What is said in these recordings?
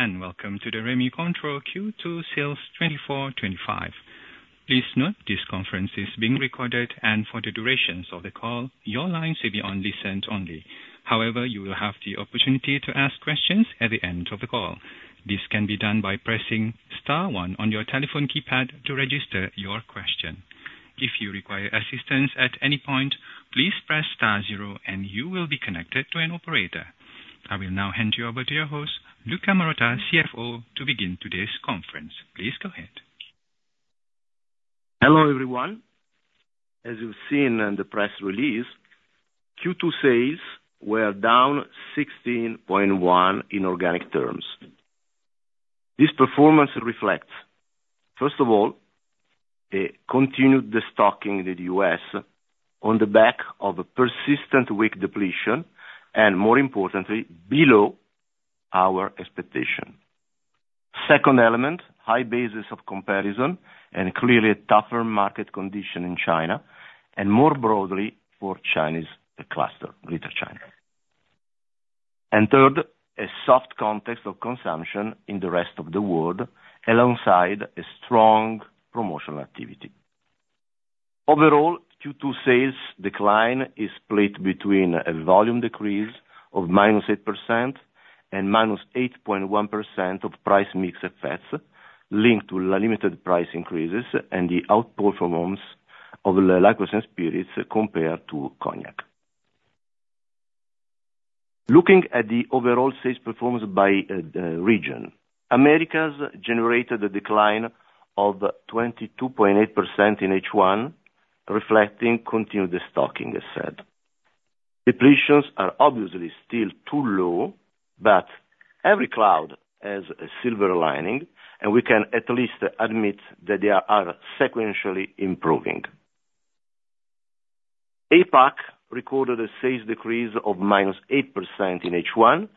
Welcome to the Rémy Cointreau Q2 sales twenty-four twenty-five. Please note this conference is being recorded, and for the duration of the call, your lines will be on listen-only. However, you will have the opportunity to ask questions at the end of the call. This can be done by pressing star one on your telephone keypad to register your question. If you require assistance at any point, please press star zero, and you will be connected to an operator. I will now hand you over to your host, Luca Marotta, CFO, to begin today's conference. Please go ahead. Hello, everyone. As you've seen in the press release, Q2 sales were down 16.1% in organic terms. This performance reflects, first of all, a continued destocking in the U.S. on the back of a persistent weak depletion, and more importantly, below our expectation. Second element, high basis of comparison and clearly a tougher market condition in China, and more broadly for Chinese cluster, Greater China. And third, a soft context of consumption in the rest of the world, alongside a strong promotional activity. Overall, Q2 sales decline is split between a volume decrease of -8% and -8.1% of price mix effects, linked to limited price increases and the outperformance of the Liqueurs & Spirits compared to Cognac. Looking at the overall sales performance by the region, Americas generated a decline of 22.8% in H1, reflecting continued destocking, as said. Depletions are obviously still too low, but every cloud has a silver lining, and we can at least admit that they are sequentially improving. APAC recorded a sales decrease of minus 8% in H1,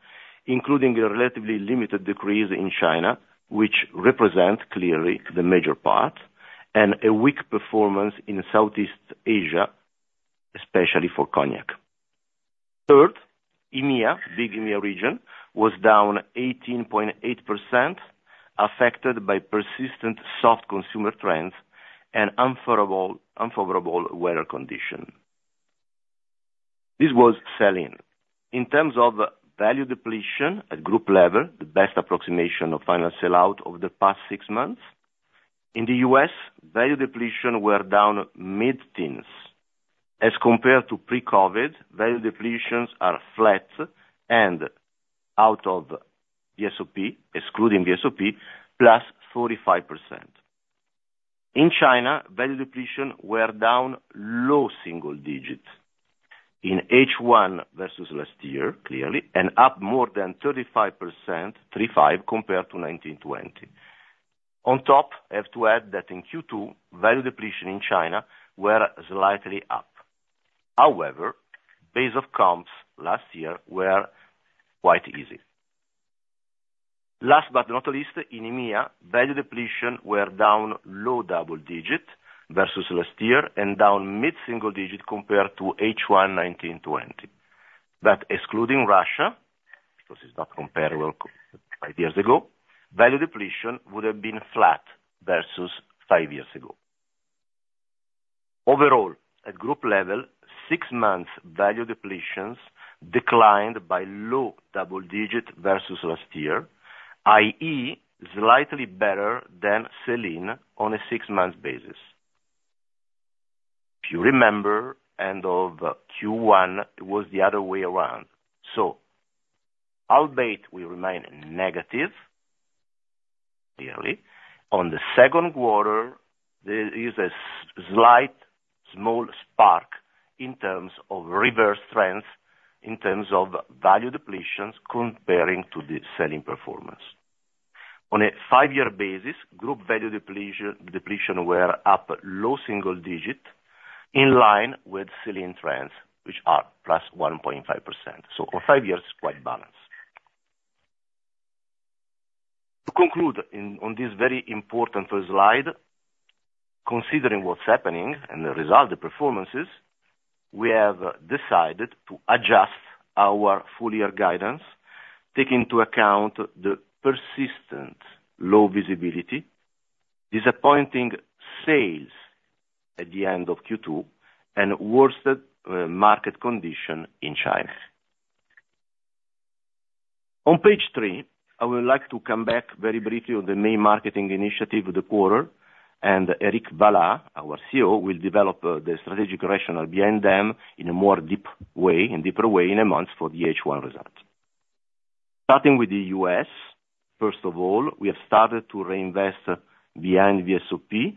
including a relatively limited decrease in China, which represent clearly the major part, and a weak performance in Southeast Asia, especially for Cognac. Third, EMEA, big EMEA region, was down 18.8%, affected by persistent soft consumer trends and unfavorable weather condition. This was sell-in. In terms of value depletion at group level, the best approximation of final sellout over the past six months, in the US, value depletion were down mid-teens. As compared to pre-COVID, value depletions are flat and out of the VSOP, excluding the VSOP, +45%. In China, value depletions were down low single digits in H1 versus last year, clearly, and up more than 35%, three, five, compared to 2019 to 2020. On top, I have to add that in Q2, value depletions in China were slightly up. However, base of comps last year were quite easy. Last but not least, in EMEA, value depletions were down low double digit versus last year and down mid-single digit compared to H1 2019 to 2020. But excluding Russia, because it's not comparable five years ago, value depletions would have been flat versus five years ago. Overall, at group level, six months value depletions declined by low double digit versus last year, i.e., slightly better than sell-in on a six-month basis. If you remember, end of Q1, it was the other way around. So albeit we remain negative, clearly, on the second quarter, there is a slight small spark in terms of reverse trends, in terms of value depletions comparing to the sell-in performance. On a five-year basis, group value depletion were up low single digit, in line with sell-in trends, which are plus 1.5%. So for five years, quite balanced. To conclude on this very important first slide, considering what's happening and the result, the performances, we have decided to adjust our full year guidance, take into account the persistent low visibility, disappointing sales at the end of Q2, and worse the market condition in China. On page three, I would like to come back very briefly on the main marketing initiative of the quarter, and Éric Vallat, our CEO, will develop the strategic rationale behind them in a more deep way, in deeper way, in a month for the H1 results. Starting with the US, first of all, we have started to reinvest behind the VSOP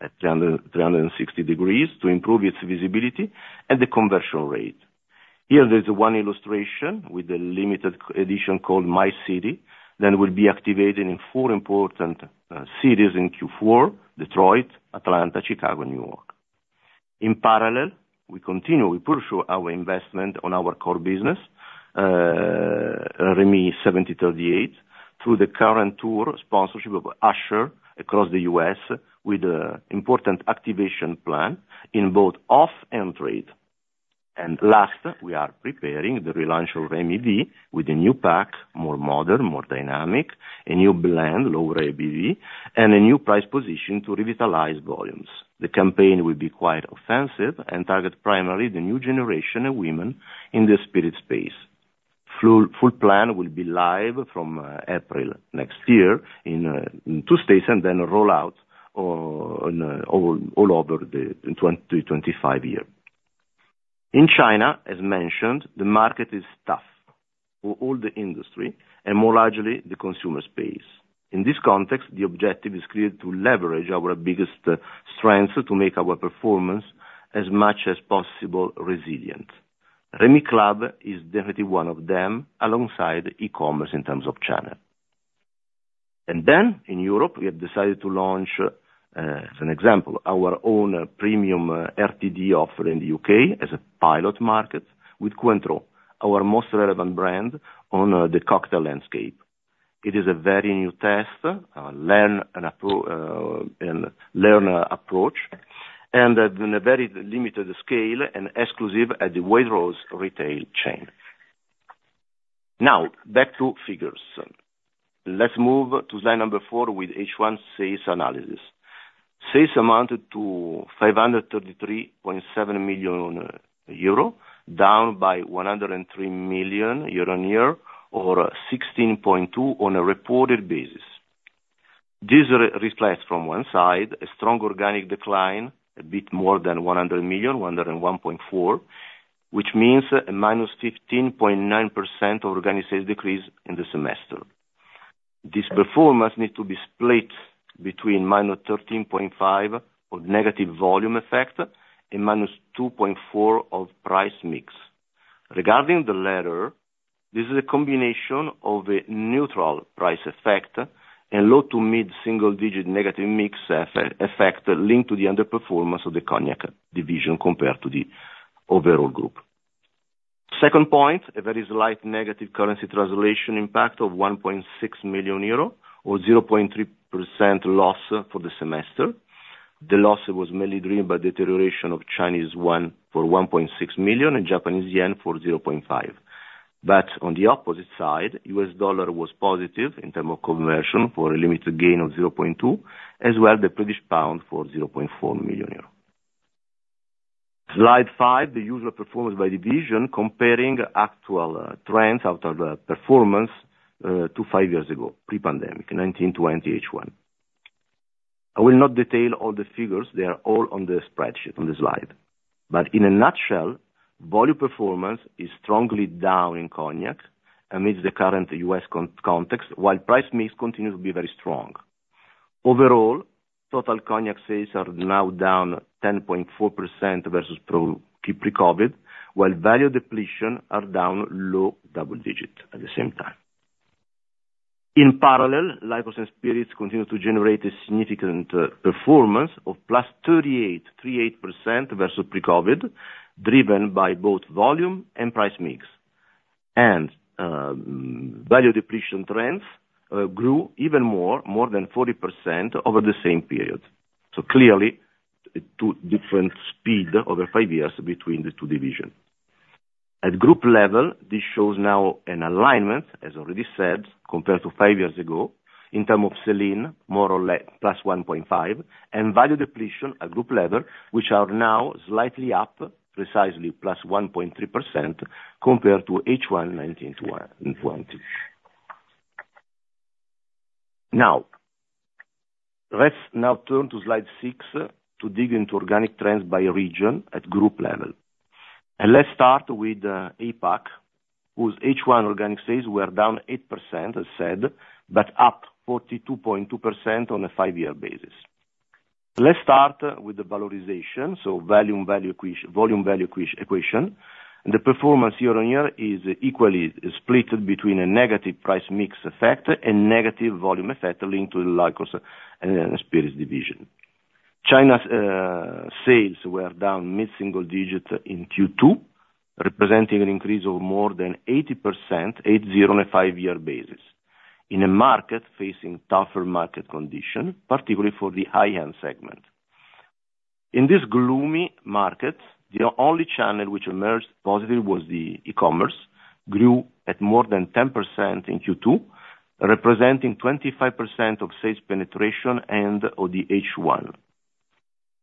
at 360 degrees to improve its visibility and the conversion rate. Here there's one illustration with a limited edition called My City, that will be activated in four important cities in Q4: Detroit, Atlanta, Chicago, New York. In parallel, we continue, we push through our investment on our core business, Rémy 1738 through the current tour sponsorship of Usher across the US with important activation plan in both off-trade and on-trade. Last, we are preparing the relaunch of Rémy Martin V with a new pack, more modern, more dynamic, a new blend, lower ABV, and a new price position to revitalize volumes. The campaign will be quite offensive and target primarily the new generation of women in the spirit space. Full plan will be live from April next year in two states, and then roll out all over the 2024 to 2025 year. In China, as mentioned, the market is tough for all the industry and more largely, the consumer space. In this context, the objective is clear to leverage our biggest strengths to make our performance as much as possible resilient. Rémy Club is definitely one of them, alongside E-commerce in terms of channel. And then in Europe, we have decided to launch, as an example, our own premium RTD offer in the U.K. as a pilot market with Cointreau, our most relevant brand on the cocktail landscape. It is a very new test, learn and approach, and at a very limited scale and exclusive at the Waitrose retail chain. Now, back to figures. Let's move to slide number four with H1 sales analysis. Sales amounted to 533.7 million euro, down by 103 million EUR year-on-year, or 16.2% on a reported basis. This reflects from one side, a strong organic decline, a bit more than 100 million, 101.4, which means a -15.9% organic sales decrease in the semester. This performance need to be split between -13.5% of negative volume effect and -2.4% of price mix. Regarding the latter, this is a combination of a neutral price effect and low- to mid-single-digit negative mix effect, linked to the underperformance of the Cognac division compared to the overall group. Second point, a very slight negative currency translation impact of 1.6 million euro, or 0.3% loss for the semester. The loss was mainly driven by deterioration of Chinese yuan for 1.6 million and Japanese yen for 0.5. But on the opposite side, US dollar was positive in terms of conversion for a limited gain of 0.2, as well as the British pound for 0.4 million euro. Slide five, the usual performance by division, comparing actual trends out of the performance to five years ago, pre-pandemic, nineteen-twenty H1. I will not detail all the figures, they are all on the spreadsheet, on the slide. But in a nutshell, volume performance is strongly down in Cognac amidst the current US context, while price mix continues to be very strong. Overall, total Cognac sales are now down 10.4% versus pre-COVID, while value depletions are down low double digits at the same time. In parallel, Liqueurs & Spirits continue to generate a significant performance of +38% versus pre-COVID, driven by both volume and price mix. And value depletions trends grew even more than 40% over the same period. So clearly, two different speeds over five years between the two divisions. At group level, this shows now an alignment, as already said, compared to five years ago, in term of sell-in more or less plus one point five, and value depletion at group level, which are now slightly up, precisely plus 1.3%, compared to H1 2020. Now, let's now turn to slide six, to dig into organic trends by region at group level. Let's start with APAC, whose H1 organic sales were down 8%, as said, but up 42.2% on a five-year basis. Let's start with the valorization, so volume value equation. The performance year-on-year is equally split between a negative price mix effect and negative volume effect linked to the Liqueurs & Spirits division. China's sales were down mid-single digit in Q2, representing an increase of more than 80%, eight zero, on a five-year basis, in a market facing tougher market condition, particularly for the high-end segment. In this gloomy market, the only channel which emerged positive was the E-commerce, grew at more than 10% in Q2, representing 25% of sales penetration and of the H1.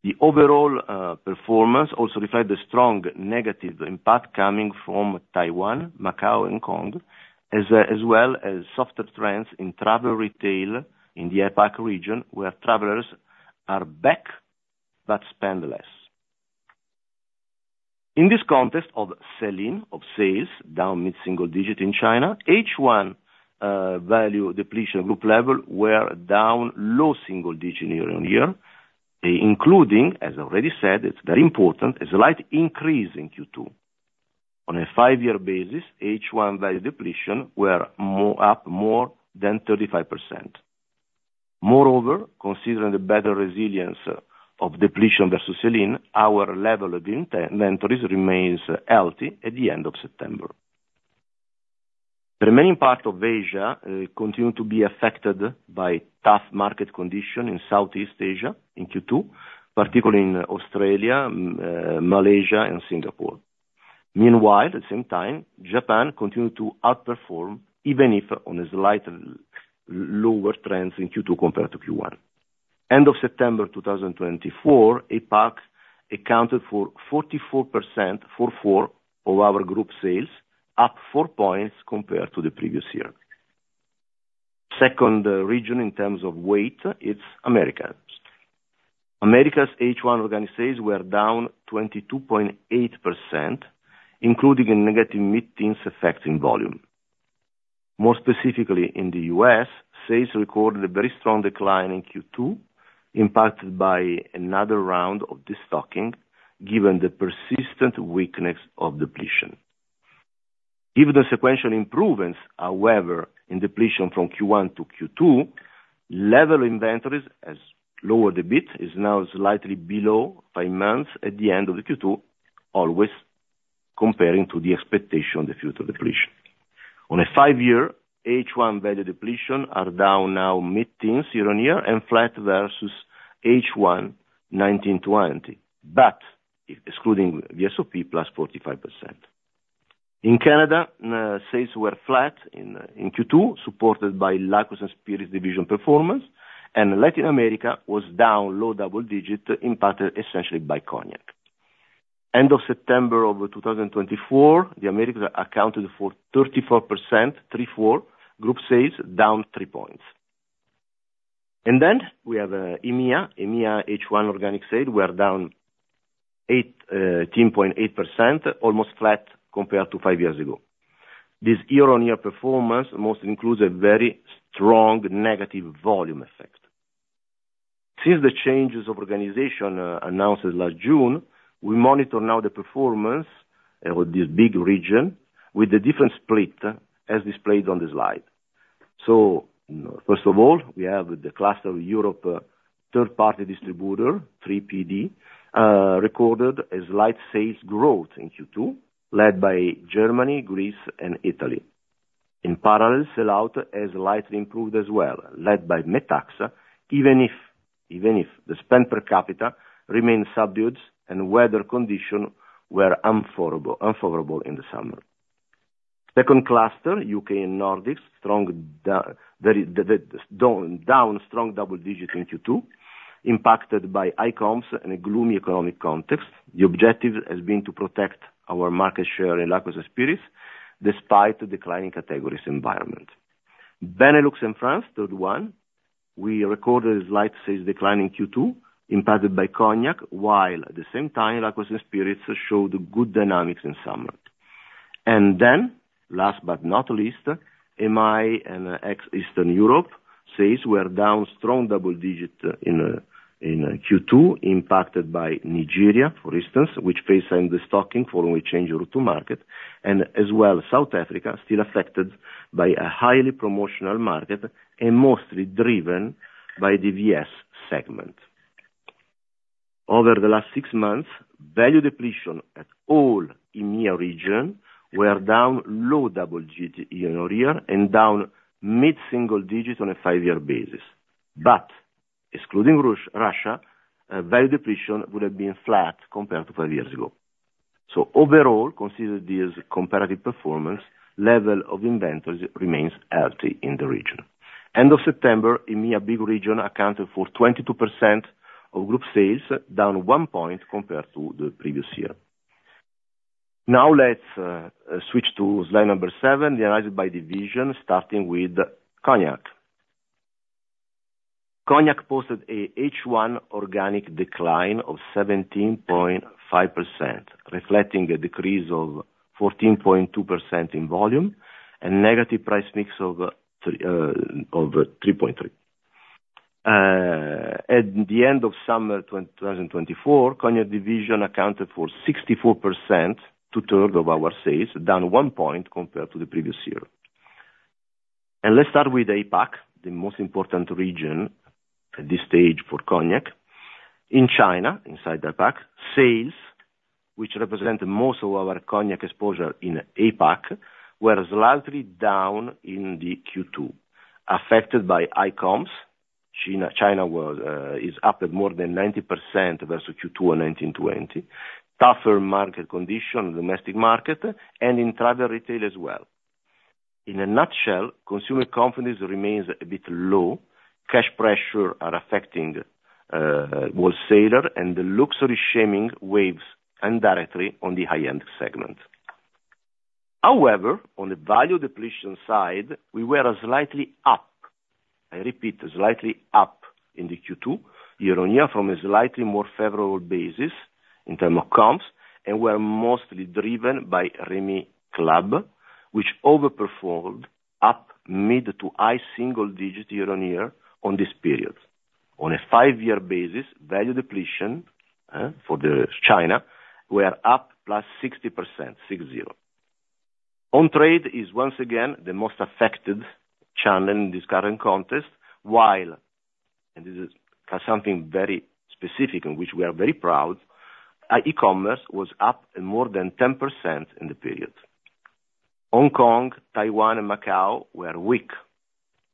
The overall performance also reflect the strong negative impact coming from Taiwan, Macau, and Hong Kong, as well as softer trends in travel retail in the APAC region, where travelers are back but spend less. In this context of sell-in, of sales, down mid-single digit in China, H1, value depletions group level were down low single digit year-on-year, including, as already said, it's very important, a slight increase in Q2. On a five-year basis, H1 value depletions were up more than 35%. Moreover, considering the better resilience of depletions versus sell-in, our level of inventories remains healthy at the end of September. The remaining part of Asia continued to be affected by tough market conditions in Southeast Asia in Q2, particularly in Australia, Malaysia and Singapore. Meanwhile, at the same time, Japan continued to outperform, even if on a slightly lower trends in Q2 compared to Q1. End of September 2024, APAC accounted for 44% of our group sales, up four points compared to the previous year. Second region in terms of weight, it's Americas. Americas H1 organic sales were down 22.8%, including a negative mid-teens effect in volume. More specifically, in the U.S., sales recorded a very strong decline in Q2, impacted by another round of destocking, given the persistent weakness of depletion. Given the sequential improvements, however, in depletion from Q1 to Q2, level inventories has lowered a bit, is now slightly below five months at the end of the Q2, always comparing to the expectation of the future depletion. On a five-year, H1 value depletion are down now mid-teens% year-on-year and flat versus H1 2019-20, but excluding the VSOP, +45%. In Canada, sales were flat in Q2, supported by Liqueurs & Spirits division performance, and Latin America was down low double digit, impacted essentially by Cognac. End of September of 2024, the Americas accounted for 34%, group sales, down three points. Then we have EMEA. EMEA H1 organic sales were down 10.8%, almost flat compared to five years ago. This year-on-year performance mostly includes a very strong negative volume effect. Since the changes of organization announced last June, we monitor now the performance of this big region with a different split, as displayed on the slide. So first of all, we have the cluster of Europe third party distributor, 3PD, recorded a slight sales growth in Q2, led by Germany, Greece and Italy. In parallel, sellout has slightly improved as well, led by Metaxa, even if the spend per capita remains subdued and weather conditions were unfavorable in the summer. Second cluster, U.K. and Nordics, very strong double digits down in Q2, impacted by high comps and a gloomy economic context. The objective has been to protect our market share in Liqueurs & Spirits, despite the declining categories environment. Benelux and France, third one, we recorded a slight sales decline in Q2, impacted by Cognac, while at the same time, Liqueurs & Spirits showed good dynamics in summer. Then, last but not least, MEA ex-Eastern Europe sales were down strong double digit in Q2, impacted by Nigeria, for instance, which faced some destocking following change route to market, and as well, South Africa, still affected by a highly promotional market and mostly driven by the VS segment. Over the last six months, value depletion in the EMEA region were down low double digit year-on-year and down mid-single digit on a five-year basis. Excluding Russia, value depletion would have been flat compared to five years ago. Overall, considering this comparative performance, level of inventories remains healthy in the region. End of September, EMEA region accounted for 22% of group sales, down 1 point compared to the previous year. Now let's switch to slide number seven, the analysis by division, starting with Cognac. Cognac posted a H1 organic decline of 17.5%, reflecting a decrease of 14.2% in volume and negative price mix of 3.3. At the end of summer 2024, Cognac division accounted for 64%, two-thirds of our sales, down 1 point compared to the previous year. Let's start with APAC, the most important region at this stage for Cognac. In China, inside APAC, sales, which represent most of our Cognac exposure in APAC, were slightly down in the Q2, affected by high comps. China was up at more than 90% versus Q2 of 2020, tougher market conditions, domestic market and in travel retail as well. In a nutshell, consumer confidence remains a bit low. Cash pressure are affecting wholesaler, and the luxury shaming waves indirectly on the high-end segment. However, on the value depletion side, we were slightly up, I repeat, slightly up in the Q2, year-on-year, from a slightly more favorable basis in terms of comps, and were mostly driven by Rémy Club, which overperformed up mid to high single digit year-on-year on this period. On a five-year basis, value depletion for China were up plus 60%, six zero. On-trade is once again the most affected channel in this current context, while-... And this is something very specific in which we are very proud. Our e-commerce was up more than 10% in the period. Hong Kong, Taiwan, and Macau were weak,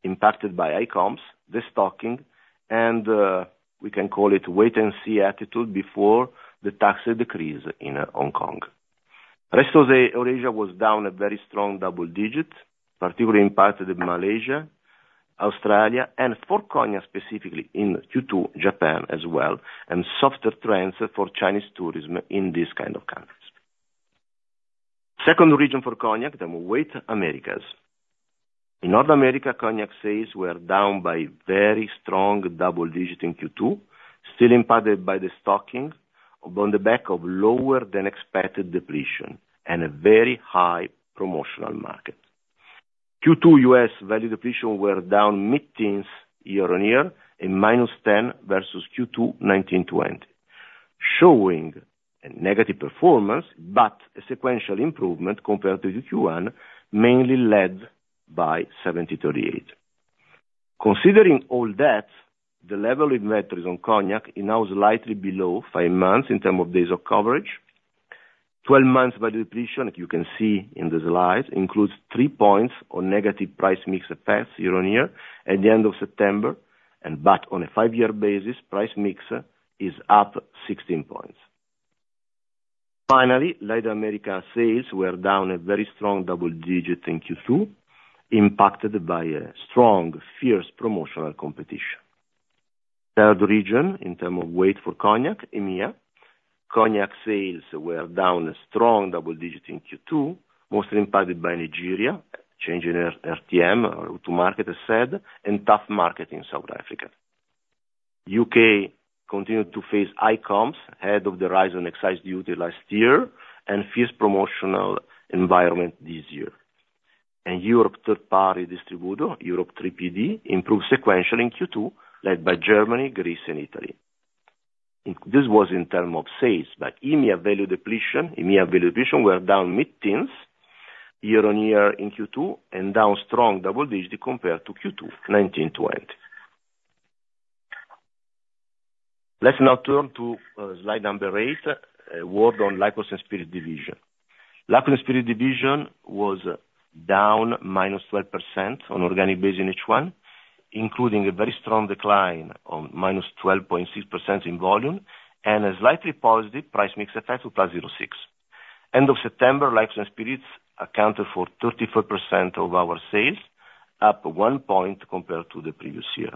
impacted by high comps, destocking, and we can call it wait-and-see attitude before the tax decrease in Hong Kong. Rest of Asia was down a very strong double-digit, particularly in parts of Malaysia, Australia, and for Cognac, specifically in Q2, Japan as well, and softer trends for Chinese tourism in these kind of countries. Second region for Cognac, the Americas. In North America, Cognac sales were down by very strong double-digit in Q2, still impacted by the destocking on the back of lower than expected depletion and a very high promotional market. Q2, U.S. value depletion were down mid-teens year-on-year and minus ten versus Q2 2019-20, showing a negative performance, but a sequential improvement compared to the Q1, mainly led by 1738. Considering all that, the level of inventories on Cognac is now slightly below five months in terms of days of coverage. Twelve months value depletion, you can see in the slide, includes three points on negative price mix effect year-on-year at the end of September, and but on a five-year basis, price mix is up sixteen points. Finally, Latin America sales were down a very strong double-digit in Q2, impacted by a strong, fierce promotional competition. Third region, in terms of weight for Cognac, EMEA. Cognac sales were down a strong double-digit in Q2, mostly impacted by Nigeria, change in RTM, route to market, as said, and tough market in South Africa. U.K. continued to face high comps ahead of the rise in excise duty last year and fierce promotional environment this year. Europe third party distributor, Europe 3PD, improved sequentially in Q2, led by Germany, Greece, and Italy. This was in terms of sales, but EMEA value depletions were down mid-teens year-on-year in Q2 and down strong double-digit compared to Q2 2019/20. Let's now turn to slide number 8, a word on Liqueurs and Spirits division. Liqueurs and Spirits division was down minus 12% on organic basis in H1, including a very strong decline of minus 12.6% in volume, and a slightly positive price mix effect of plus 0.6. End of September, Liqueurs and Spirits accounted for 34% of our sales, up one point compared to the previous year.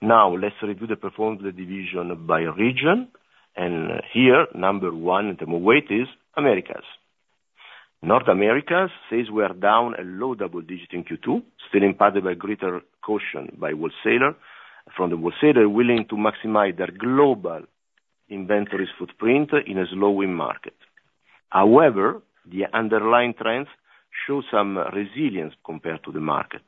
Now, let's review the performance of the division by region, and here, number one in the weight is Americas. North America says we are down a low double digit in Q2, still impacted by greater caution by wholesaler, from the wholesaler willing to maximize their global inventories footprint in a slowing market. However, the underlying trends show some resilience compared to the market.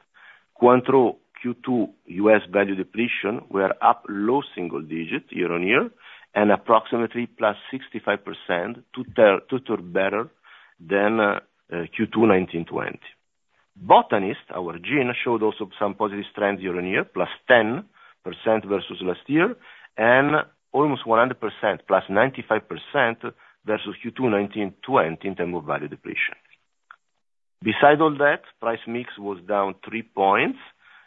Cointreau Q2 U.S. value depletions were up low single digit year-on-year and approximately plus 65%, two-thirds better than Q2 2019 to 2020. The Botanist, our gin, showed also some positive trends year-on-year, +10% versus last year, and almost 100%, +95% versus Q2 2019 to 2020 in terms of value depletions. Besides all that, price mix was down three points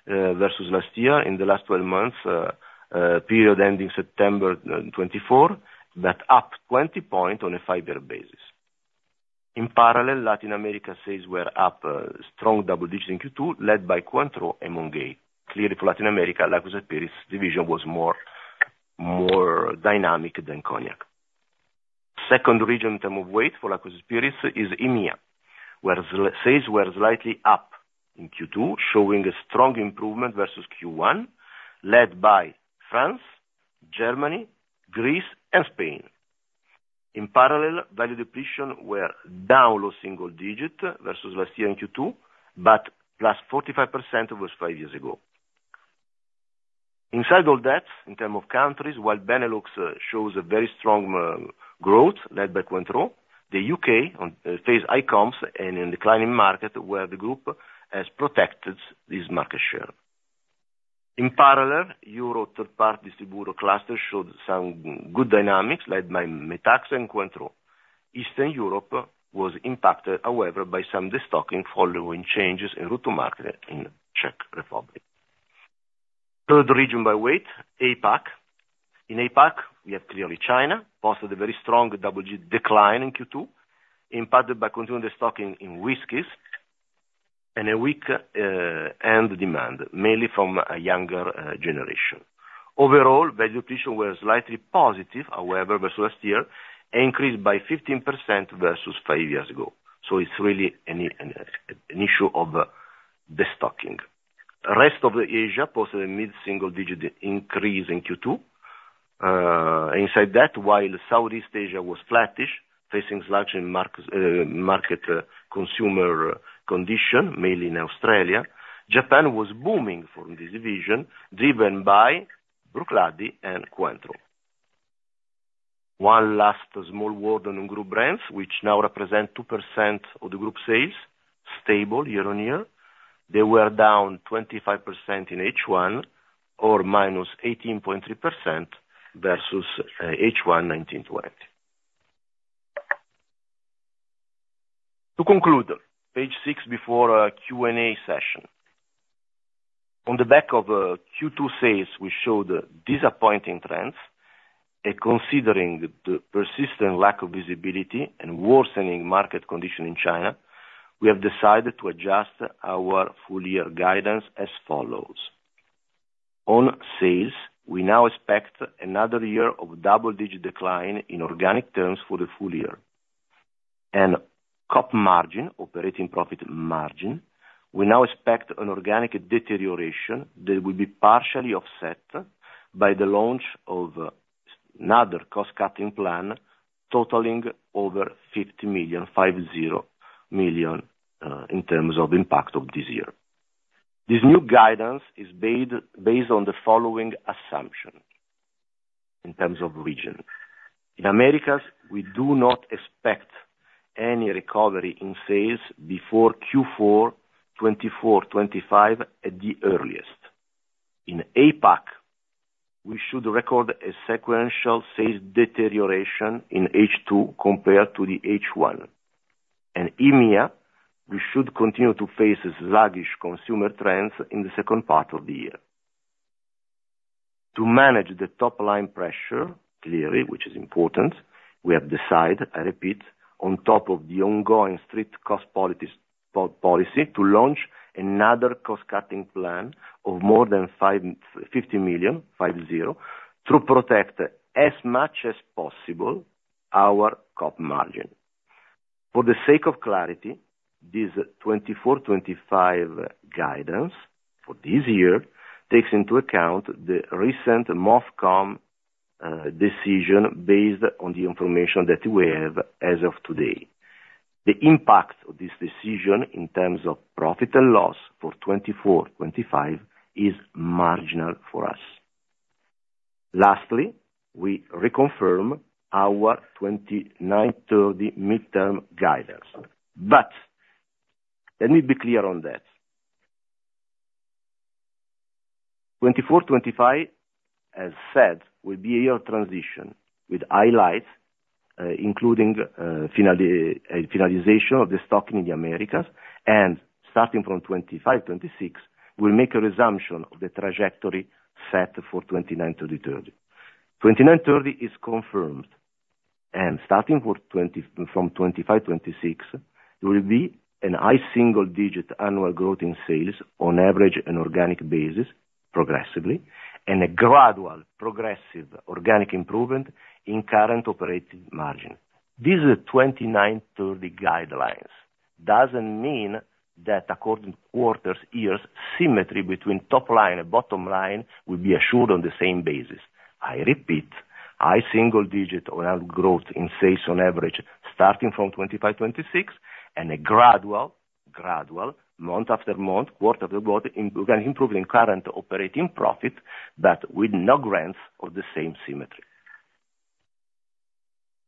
versus last year in the last twelve months period ending September 2024, but up twenty points on a five-year basis. In parallel, Latin America sales were up strong double digits in Q2, led by Cointreau and Monin. Clearly, for Latin America, Liqueurs and Spirits division was more dynamic than Cognac. Second region in terms of weight for Liqueurs and Spirits is EMEA, where sales were slightly up in Q2, showing a strong improvement versus Q1, led by France, Germany, Greece, and Spain. In parallel, value depletions were down low single digits versus last year in Q2, but plus 45% versus five years ago. Inside all that, in terms of countries, while Benelux shows a very strong growth led by Cointreau, the U.K. faces high comps and in declining market, where the group has protected this market share. In parallel, Europe third party distributor cluster showed some good dynamics led by Metaxa and Cointreau. Eastern Europe was impacted, however, by some destocking following changes in route to market in Czech Republic. Third region by weight, APAC. In APAC, we have clearly China posted a very strong double-digit decline in Q2, impacted by continued destocking in whiskeys and a weak end demand, mainly from a younger generation. Overall, value depletions was slightly positive, however, versus last year, increased by 15% versus five years ago. So it's really an issue of destocking. Rest of Asia posted a mid-single-digit increase in Q2. Inside that, while Southeast Asia was flattish, facing sluggish markets, market consumer condition, mainly in Australia, Japan was booming from this division, driven by Bruichladdich and Cointreau. One last small word on Group Brands, which now represent 2% of the group sales, stable year-on-year. They were down 25% in H1 or minus 18.3% versus H1 19/20. To conclude, page six, before our Q&A session. On the back of Q2 sales, we showed disappointing trends, and considering the persistent lack of visibility and worsening market condition in China, we have decided to adjust our full-year guidance as follows: On sales, we now expect another year of double-digit decline in organic terms for the full year. COP margin, operating profit margin, we now expect an organic deterioration that will be partially offset by the launch of another cost cutting plan, totaling over 50 million, 50 million, in terms of impact this year. This new guidance is based on the following assumption in terms of region. In Americas, we do not expect any recovery in sales before Q4 2024-2025, at the earliest. In APAC, we should record a sequential sales deterioration in H2 compared to the H1. EMEA, we should continue to face sluggish consumer trends in the second part of the year. To manage the top line pressure, clearly, which is important, we have decided, I repeat, on top of the ongoing strict cost policy, to launch another cost cutting plan of more than 50 million to protect as much as possible our COP margin. For the sake of clarity, this 2024-2025 guidance for this year takes into account the recent MOFCOM decision based on the information that we have as of today. The impact of this decision in terms of profit and loss for 2024 to 2025 is marginal for us. Lastly, we reconfirm our 2029-2030 midterm guidance. But let me be clear on that. 2024 to 2025, as said, will be a year of transition, with highlights including finalization of the stock in the Americas, and starting from 2025 to 2026, we'll make a resumption of the trajectory set for 2029 to 2030. 2029-2030 is confirmed, and starting from 2025 to 2026, there will be a high single-digit annual growth in sales on average on an organic basis, progressively, and a gradual progressive organic improvement in current operating margin. These are the 2029 to 2030 guidelines. It doesn't mean that according to quarters, years, symmetry between top line and bottom line will be assured on the same basis. I repeat, high single-digit overall growth in sales on average, starting from 2025 to 2026, and a gradual, month after month, quarter after quarter, improving current operating profit, but with no guarantee of the same symmetry.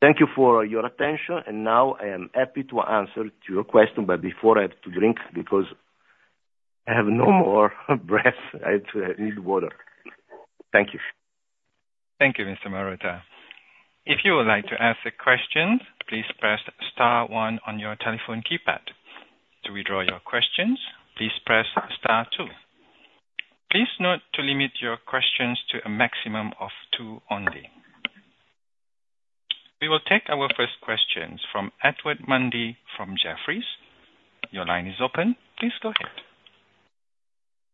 Thank you for your attention, and now I am happy to answer to your question, but before I have to drink, because I have no more breath. I have to... I need water. Thank you. Thank you, Mr. Marotta. If you would like to ask a question, please press star one on your telephone keypad. To withdraw your questions, please press star two. Please note to limit your questions to a maximum of two only. We will take our first questions from Edward Mundy, from Jefferies. Your line is open. Please go ahead.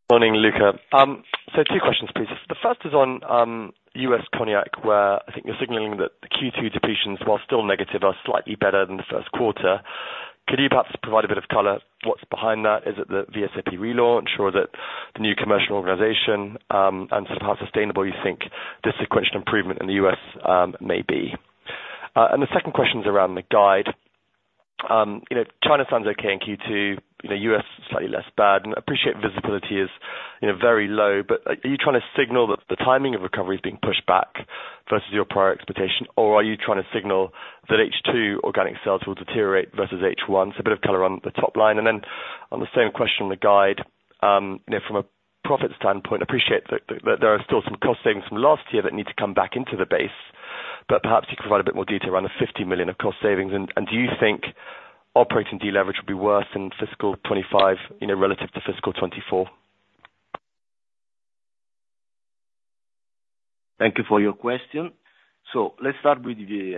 Morning, Luca. So two questions, please. The first is on, US Cognac, where I think you're signaling that the Q2 depletions, while still negative, are slightly better than the first quarter. Could you perhaps provide a bit of color? What's behind that? Is it the VSOP relaunch or the new commercial organization? And sort of how sustainable you think this sequential improvement in the US, may be. And the second question is around the guide. You know, China sounds okay in Q2, you know, US slightly less bad, and appreciate visibility is, you know, very low, but, are you trying to signal that the timing of recovery is being pushed back versus your prior expectation? Or are you trying to signal that H2 organic sales will deteriorate versus H1? A bit of color on the top line, and then on the same question on the guide, you know, from a profit standpoint, appreciate that there are still some cost savings from last year that need to come back into the base, but perhaps you can provide a bit more detail around the 50 million of cost savings. And do you think operating deleverage will be worse than fiscal 2025, you know, relative to fiscal 2024? Thank you for your question. Let's start with the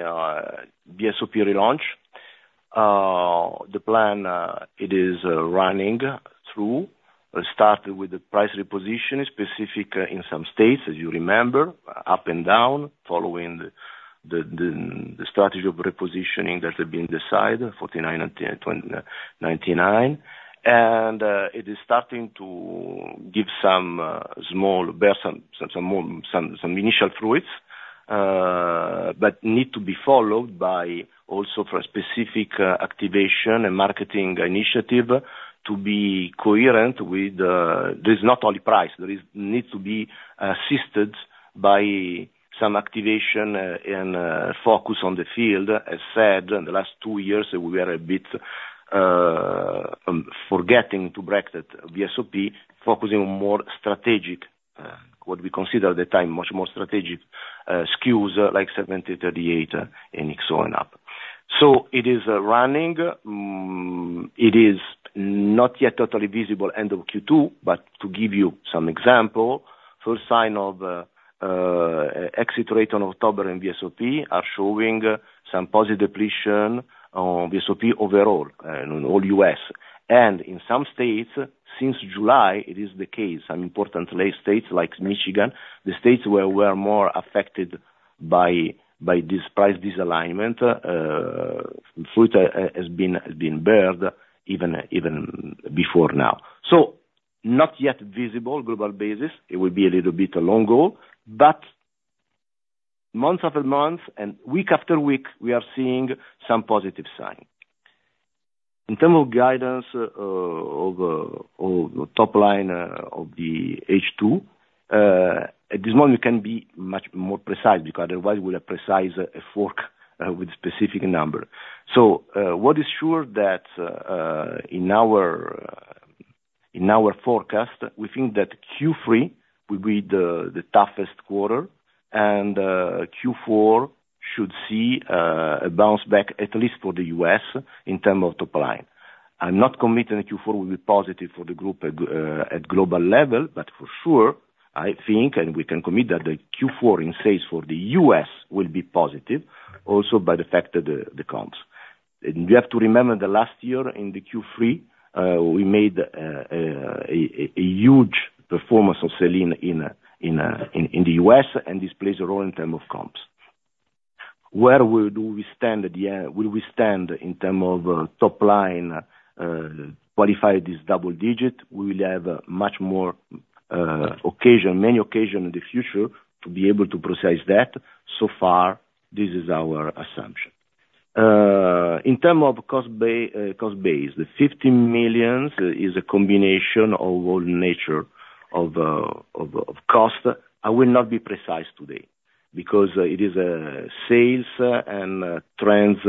VSOP relaunch. The plan it is running through started with the price reposition specific in some states, as you remember, up and down, following the strategy of repositioning that have been decided, $49.99. It is starting to bear some initial fruits, but need to be followed by also for a specific activation and marketing initiative to be coherent with, there's not only price, there needs to be assisted by some activation and focus on the field. As said, in the last two years, we are a bit forgetting to break that VSOP, focusing on more strategic what we consider at the time much more strategic SKUs, like 1738 and XO and up. So it is running. It is not yet totally visible end of Q2, but to give you some example, first sign of exit rate on October in VSOP are showing some positive depletion on VSOP overall in all US. In some states, since July, it is the case. Some important large states like Michigan, the states where we're more affected by this price misalignment, growth has been better even before now. Not yet visible on a global basis, it will be a little bit longer, but month over month and week after week, we are seeing some positive sign. In terms of guidance, of the top line, of the H2, at this moment, we can be much more precise, because otherwise we'll precise a fork, with specific number. So, what is sure that, in our forecast, we think that Q3 will be the toughest quarter, and Q4 should see a bounce back, at least for the U.S., in terms of top line. I'm not committing Q4 will be positive for the group at global level, but for sure, I think, and we can commit that the Q4 in sales for the U.S. will be positive, also by the fact that the comps. We have to remember last year in Q3 we made a huge performance of sell-in in the US, and this plays a role in term of comps. Where would we stand at the end? Will we stand in term of top line qualify this double-digit? We will have many more occasions in the future to be able to precise that. So far, this is our assumption. In term of cost base, the 15 million is a combination of all nature of cost. I will not be precise today, because it is sales and trends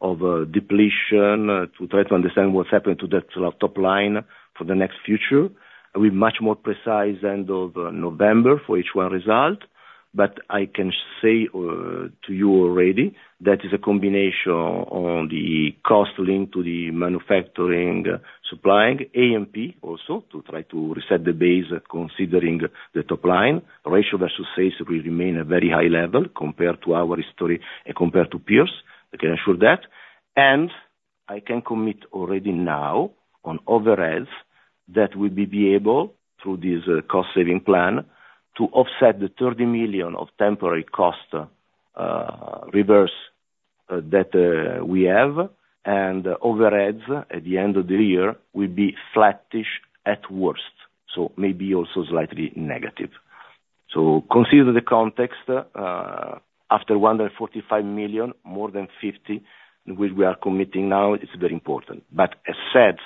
of depletion to try to understand what's happened to that top line for the near future. I'll be much more precise end of November for H1 result, but I can say to you already that is a combination on the cost link to the manufacturing, supplying, A&P also, to try to reset the base considering the top line. Ratio versus sales will remain a very high level compared to our history and compared to peers. I can assure that. I can commit already now on overheads that we will be able, through this cost saving plan, to offset the 30 million of temporary cost reversal that we have, and overheads at the end of the year will be flattish at worst, so maybe also slightly negative. Consider the context after 145 million, more than 50, which we are committing now; it's very important. But as said,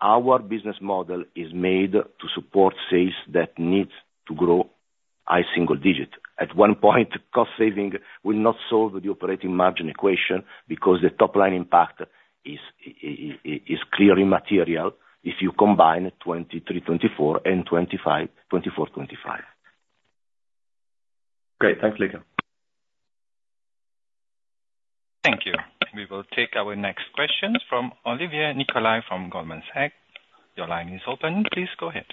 our business model is made to support sales that needs to grow high single digit. At one point, cost saving will not solve the operating margin equation, because the top line impact is clearly material if you combine 2023, 2024 and 2025. Great. Thanks, Luca. Thank you. We will take our next question from Olivier Nicolai from Goldman Sachs. Your line is open. Please go ahead.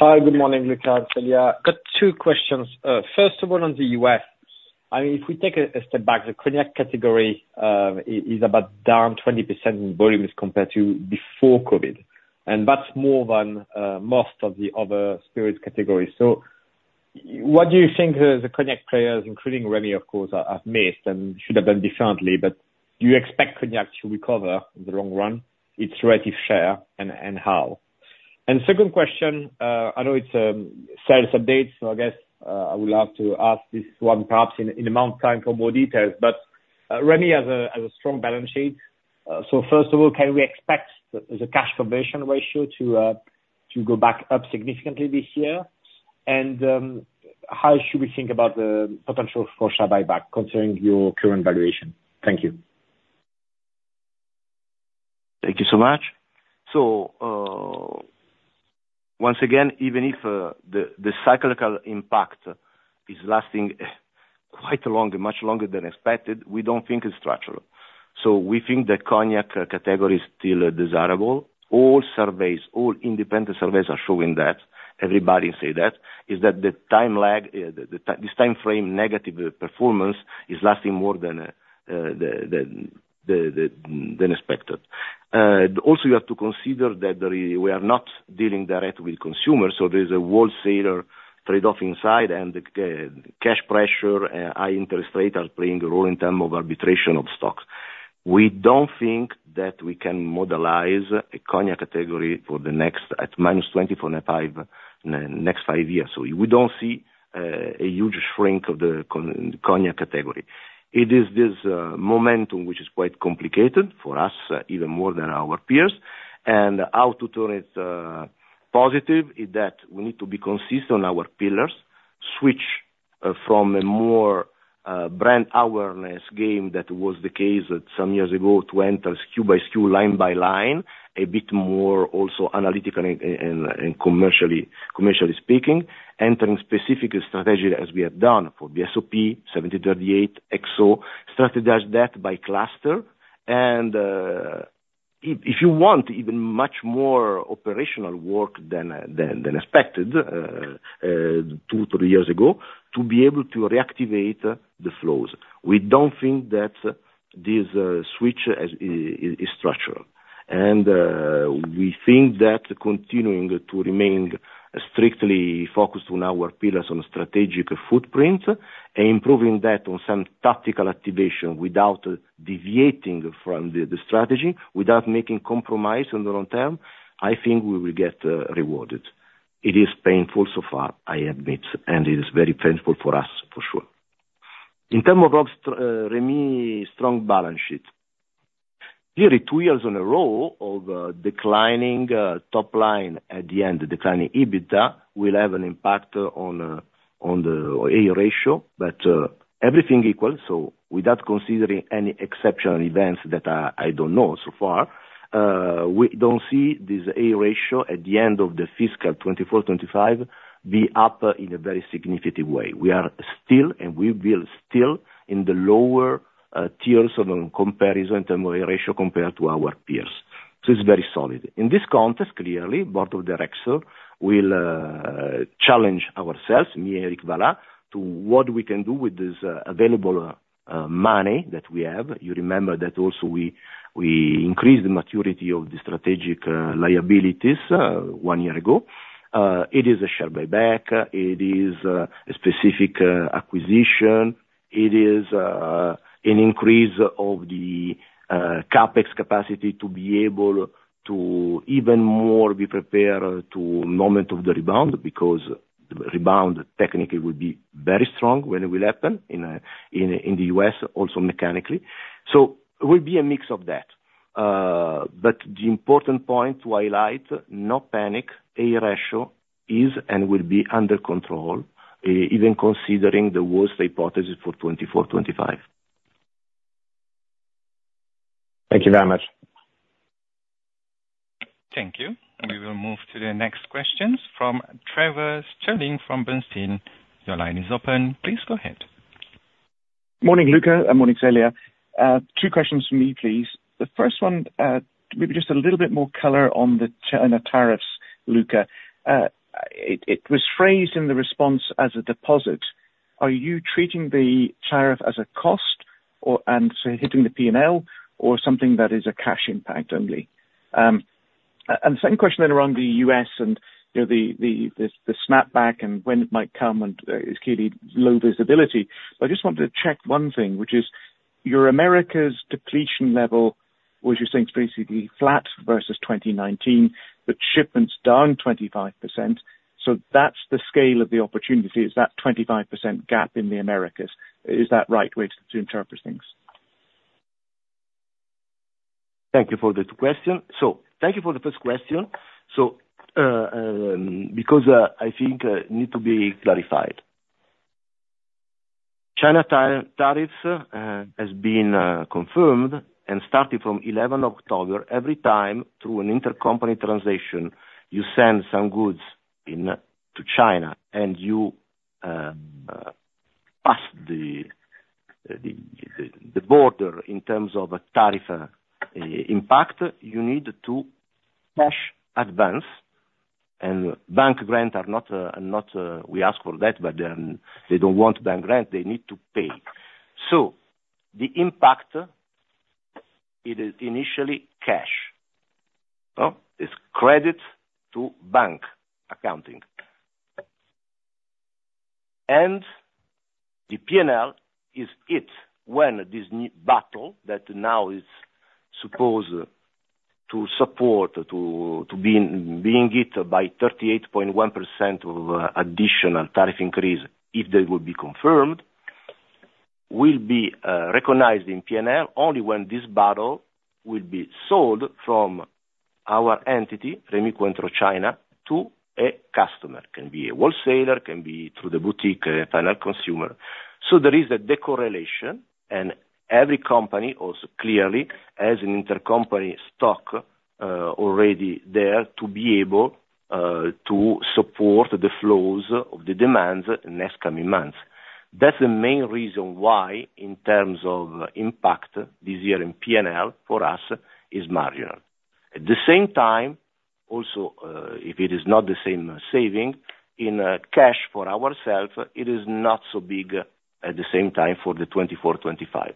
Hi, good morning, Luca and Celia. Got two questions. First of all, on the U.S., I mean, if we take a step back, the Cognac category is about down 20% in volumes compared to before COVID, and that's more than most of the other spirit categories. So what do you think the Cognac players, including Remy, of course, are, have missed and should have done differently, but do you expect Cognac to recover in the long run, its relative share, and how? And second question, I know it's sales update, so I guess I would love to ask this one perhaps in a month time for more details, but Remy has a strong balance sheet. So first of all, can we expect the cash conversion ratio to go back up significantly this year? And, how should we think about the potential for share buyback, considering your current valuation? Thank you. Thank you so much. So, once again, even if the cyclical impact is lasting quite long, much longer than expected, we don't think it's structural. So we think the Cognac category is still desirable. All surveys, all independent surveys are showing that, everybody say that is the time lag, this time frame negative performance is lasting more than expected. Also, you have to consider that we are not dealing direct with consumers, so there's a wholesaler trade-off inside, and the cash pressure and high interest rates are playing a role in term of arbitration of stocks. We don't think that we can modelize a Cognac category for the next, at -24.5% in the next five years. So we don't see a huge shrink of the Cognac category. It is this momentum, which is quite complicated for us, even more than our peers. How to turn it positive is that we need to be consistent on our pillars, switch from a more brand awareness game that was the case some years ago, to enter SKU by SKU, line by line, a bit more also analytical and commercially speaking, entering specific strategy, as we have done for the VSOP, 1738, XO, strategize that by cluster, and, if you want, even much more operational work than expected two, three years ago, to be able to reactivate the flows. We don't think that this switch is structural. We think that continuing to remain strictly focused on our pillars on strategic footprint, improving that on some tactical activation without deviating from the, the strategy, without making compromise on the long term, I think we will get rewarded. It is painful so far, I admit, and it is very painful for us, for sure. In terms of Rémy's strong balance sheet, nearly two years in a row of declining top line at the end, declining EBITDA, will have an impact on the A ratio, but everything equal, so without considering any exceptional events that I don't know so far, we don't see this A ratio at the end of the fiscal 2024, 2025, be up in a very significant way. We are still, and we will still, in the lower tiers of comparison in terms of A ratio compared to our peers. So it's very solid. In this context, clearly, board of directors will challenge ourselves, me, Éric Vallat, to what we can do with this available money that we have. You remember that also we increased the maturity of the strategic liabilities one year ago. It is a share buyback, it is a specific acquisition, it is an increase of the CapEx capacity to be able to even more be prepared to moment of the rebound, because the rebound technically will be very strong when it will happen in the US, also mechanically. So it will be a mix of that. But the important point to highlight, no panic. A ratio is and will be under control, even considering the worst hypothesis for 2024, 2025. Thank you very much. Thank you. We will move to the next questions from Trevor Stirling from Bernstein. Your line is open. Please go ahead. Morning, Luca, and morning, Celia. Two questions for me, please. The first one, maybe just a little bit more color on the China tariffs, Luca. It was phrased in the response as a deposit. Are you treating the tariff as a cost or, and so hitting the P&L, or something that is a cash impact only? And the second question then around the US and, you know, the snapback and when it might come, and it's clearly low visibility, but I just wanted to check one thing, which is, your Americas depletion level, which you're saying is basically flat versus 2019, but shipments down 25%, so that's the scale of the opportunity, is that 25% gap in the Americas. Is that right way to interpret things? Thank you for the two questions. So thank you for the first question. So, because I think need to be clarified. China tariffs has been confirmed, and starting from eleven October, every time through an intercompany transaction, you send some goods in to China, and you pass the border in terms of a tariff impact, you need to cash advance and bank guarantee are not. We ask for that, but then they don't want bank guarantee, they need to pay. So the impact it is initially cash. So it's credit to bank accounting. The P&L is hit when this new bottle, that now is supposed to support to be being hit by 38.1% of additional tariff increase, if they will be confirmed, will be recognized in P&L only when this bottle will be sold from our entity, Rémy Cointreau China, to a customer. Can be a wholesaler, can be through the boutique, a final consumer. So there is a decorrelation, and every company also clearly has an intercompany stock already there to be able to support the flows of the demands in next coming months. That's the main reason why, in terms of impact this year in P&L for us, is marginal. At the same time, also, if it is not the same saving in cash for ourselves, it is not so big at the same time for the 2024, 2025.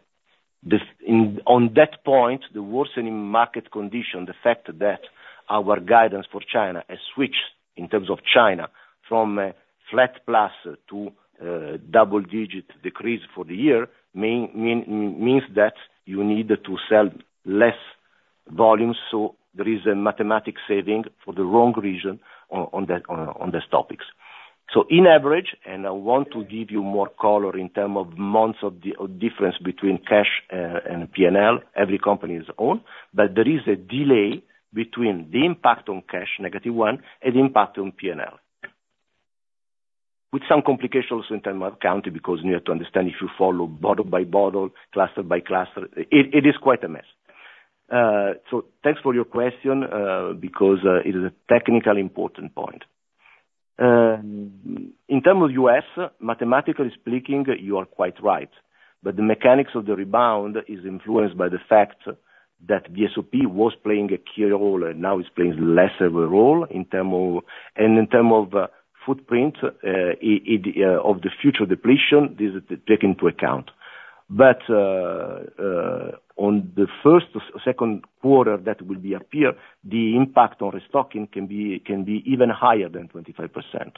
On that point, the worsening market condition, the fact that our guidance for China has switched in terms of China from a flat plus to a double digit decrease for the year, means that you need to sell less volume, so there is a mathematical saving for the wrong reason on that, on these topics. So on average, and I want to give you more color in terms of months of the difference between cash and PNL, every company has its own, but there is a delay between the impact on cash, negative one, and the impact on PNL. With some complications in terms of country, because you have to understand, if you follow bottle by bottle, cluster by cluster, it is quite a mess. So thanks for your question, because it is a technically important point. In terms of the US, mathematically speaking, you are quite right, but the mechanics of the rebound is influenced by the fact that VSOP was playing a key role, and now is playing less of a role in terms of footprint of the future depletions, this is taken into account. But on the first or second quarter, that will appear, the impact on restocking can be even higher than 25%.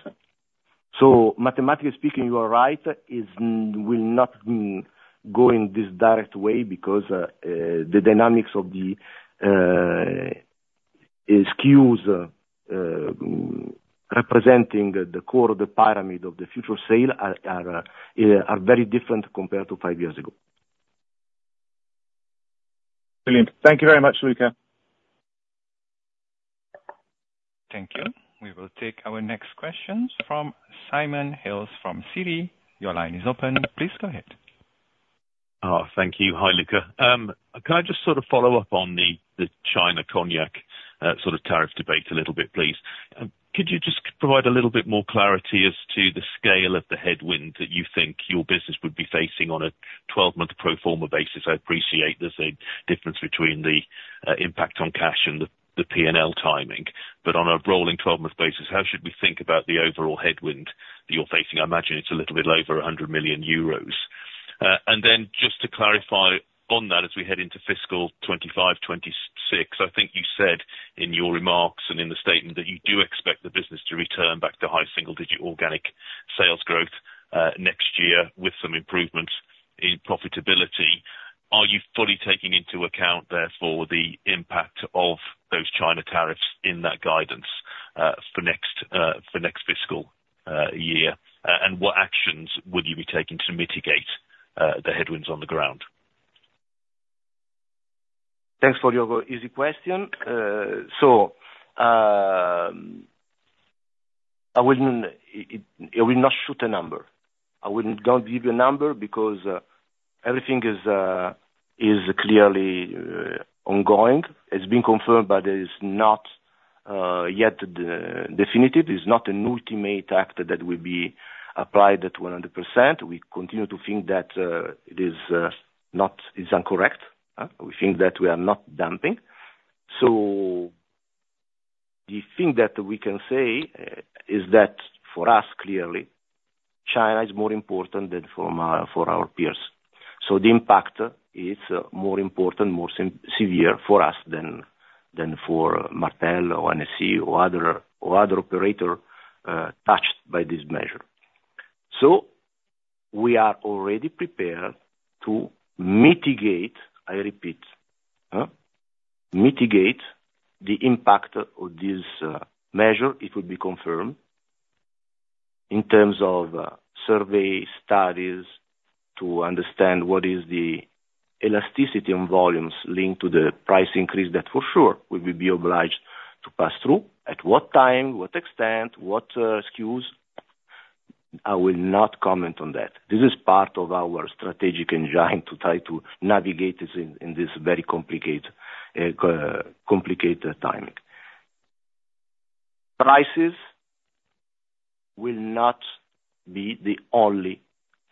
So mathematically speaking, you are right. It will not go in this direct way because the dynamics of the SKUs representing the core of the pyramid of the future sales are very different compared to five years ago. Brilliant. Thank you very much, Luca. Thank you. We will take our next questions from Simon Hales, from Citi. Your line is open. Please go ahead. Thank you. Hi, Luca. Can I just sort of follow up on the China Cognac sort of tariff debate a little bit, please? Could you just provide a little bit more clarity as to the scale of the headwind that you think your business would be facing on a 12-month pro forma basis? I appreciate there's a difference between the impact on cash and the PNL timing, but on a rolling 12-month basis, how should we think about the overall headwind that you're facing? I imagine it's a little bit over 100 million euros. And then just to clarify on that, as we head into fiscal 2025, 2026, I think you said in your remarks and in the statement, that you do expect the business to return back to high single digit organic sales growth next year, with some improvements in profitability. Are you fully taking into account, therefore, the impact of those China tariffs in that guidance for next fiscal year? And what actions will you be taking to mitigate the headwinds on the ground? Thanks for your easy question. So, I wouldn't, it, I will not shoot a number. I wouldn't don't give you a number because everything is clearly ongoing. It's been confirmed, but it's not yet definitive. It's not an ultimate act that will be applied at 100%. We continue to think that it is not, it's incorrect. We think that we are not dumping. So the thing that we can say is that, for us, clearly, China is more important than for my, for our peers. So the impact is more important, more severe for us than for Martell or Hennessy or other operator touched by this measure. So we are already prepared to mitigate. I repeat, mitigate the impact of this measure. It will be confirmed in terms of survey studies to understand what is the elasticity and volumes linked to the price increase, that for sure, we will be obliged to pass through. At what time, what extent, what SKUs, I will not comment on that. This is part of our strategic engine, to try to navigate this in this very complicated timing. Prices will not be the only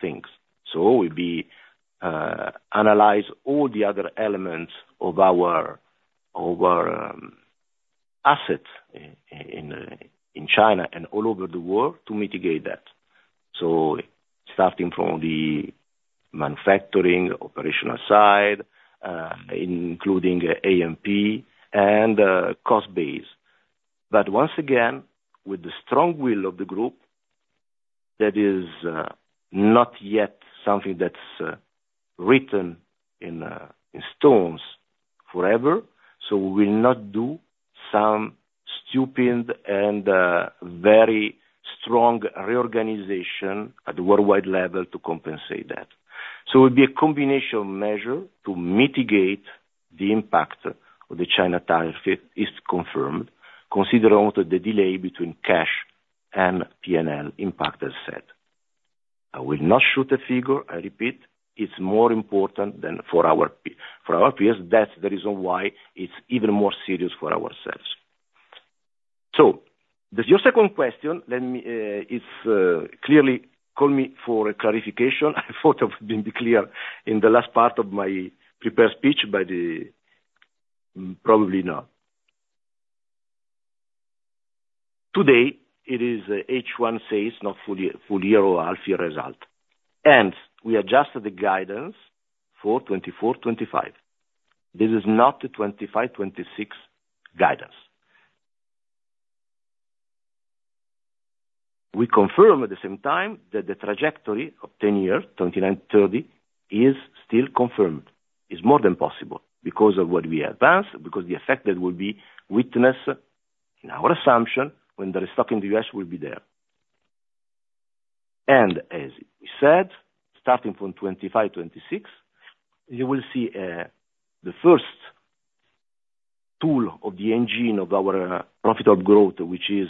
things. So we'll be analyze all the other elements of our asset in China and all over the world to mitigate that. So starting from the manufacturing, operational side, including A&P and cost base. But once again, with the strong will of the group, that is, not yet something that's written in stones forever, so we will not do some stupid and very strong reorganization at the worldwide level to compensate that. So it will be a combination measure to mitigate the impact of the China tariff if it's confirmed, considering also the delay between cash and PNL impact as said. I will not shoot a figure, I repeat, it's more important than for our peers. That's the reason why it's even more serious for ourselves. So, your second question, let me, it's clearly calling for a clarification. I thought I've been clear in the last part of my prepared speech, but, probably not. Today, it is H1 sales, not full year or half year result, and we adjusted the guidance for 2024, 2025. This is not the 2025, 2026 guidance. We confirm at the same time, that the trajectory of 2029, 2030, is still confirmed. It is more than possible because of what we advanced, because the effect that will be witnessed in our assumption, when the restock in the US will be there. And as we said, starting from 2025, 2026, you will see the first tool of the engine of our profit of growth, which is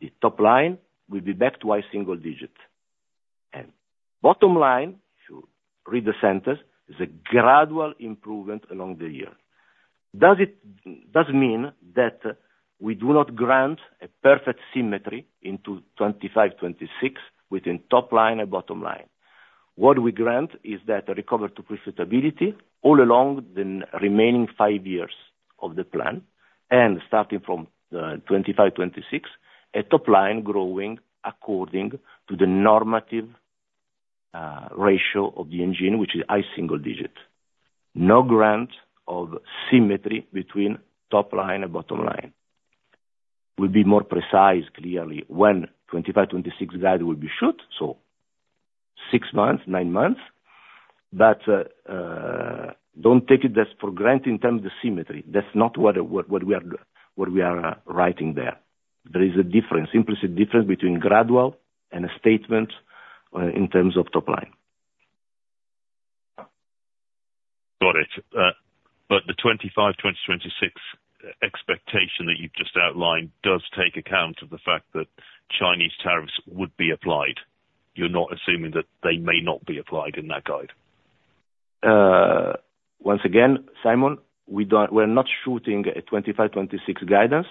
the top line, will be back to high single digit. And bottom line, if you read the centers, is a gradual improvement along the year. Does it mean that we do not grant a perfect symmetry into 2025, 2026 within top line and bottom line. What we guarantee is that a recovery to profitability all along the remaining five years of the plan, and starting from 2025, 2026, a top line growing according to the normal growth of the business, which is high single digits. No guarantee of symmetry between top line and bottom line. We'll be more precise, clearly, when 2025, 2026 guidance will be out, so six months, nine months. But don't take that for granted in terms of symmetry, that's not what we are writing there. There is a difference, implicit difference between gradual and a statement in terms of top line. Got it. But the 2025 to 2026 expectation that you've just outlined does take account of the fact that Chinese tariffs would be applied. You're not assuming that they may not be applied in that guide? Once again, Simon, we're not shooting a 2025 to 2026 guidance.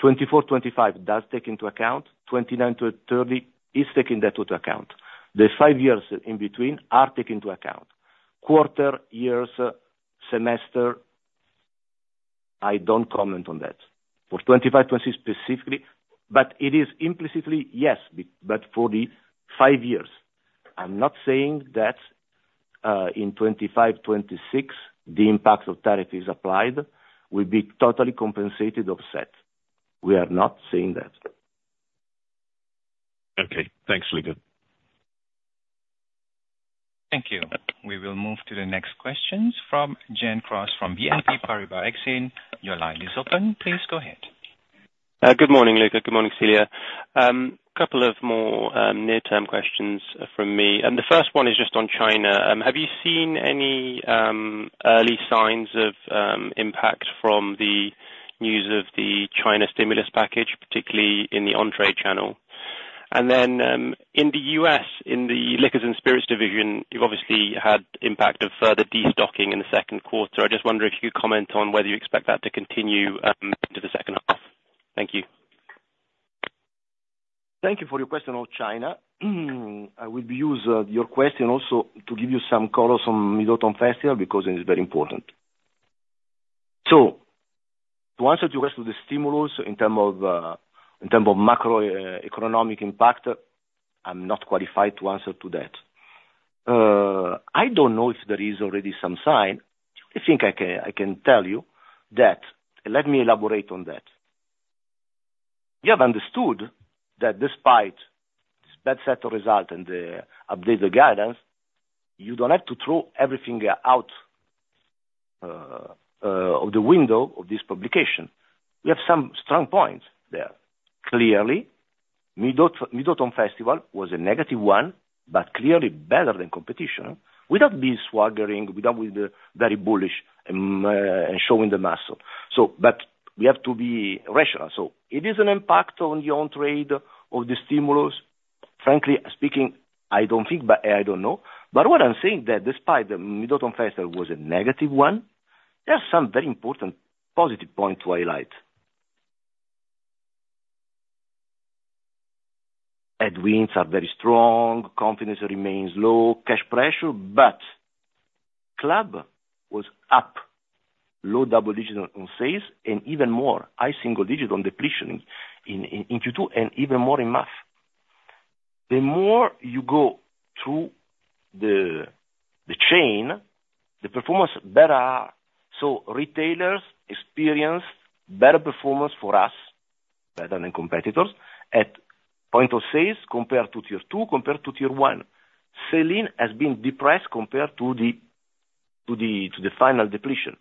2024 to 2025 does take into account, 2029 to 2030 is taking that into account. The five years in between are taken into account. Quarter, years, semester, I don't comment on that. For 2025 to 2026 specifically, but it is implicitly, yes, but for the five years, I'm not saying that in 2025-2026, the impact of tariff is applied, will be totally compensated, offset. We are not saying that. Okay, thanks, Luca. Thank you. We will move to the next questions from Jane Cross, from BNP Paribas Exane. Your line is open, please go ahead. Good morning, Luca. Good morning, Celia. Couple of more near-term questions from me, and the first one is just on China. Have you seen any early signs of impact from the news of the China stimulus package, particularly in the on-trade channel? And then, in the U.S., in the Liqueurs & Spirits division, you've obviously had impact of further destocking in the second quarter. I just wonder if you could comment on whether you expect that to continue into the second half. Thank you. Thank you for your question on China. I will use your question also to give you some colors on Mid-Autumn Festival, because it is very important. So to answer to the rest of the stimulus in terms of macro economic impact, I'm not qualified to answer to that. I don't know if there is already some sign. I think I can tell you that... Let me elaborate on that. We have understood that despite that set of result and the updated guidance, you don't have to throw everything out of the window of this publication. We have some strong points there. Clearly, Mid-Autumn Festival was a negative one, but clearly better than competition, without being swaggering, without being very bullish and showing the muscle. So, but we have to be rational. So it is an impact on your own trade or the stimulus. Frankly speaking, I don't think, but I don't know. But what I'm saying is that despite the Mid-Autumn Festival was a negative one, there are some very important positive points to highlight. Headwinds are very strong, confidence remains low, cash pressure, but club was up, low double digit on sales, and even more, high single digit on depletion in Q2, and even more in March. The more you go through the chain, the performance better. So retailers experience better performance for us, better than competitors, at point of sales compared to tier two, compared to tier one. Sell-in has been depressed compared to the final depletion.